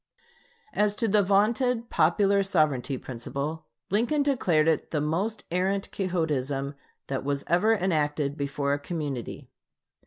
As to the vaunted popular sovereignty principle, Lincoln declared it "the most arrant Quixotism that was ever enacted before a community....